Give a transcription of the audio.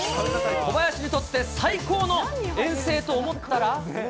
小林にとって最高の遠征と思ったら。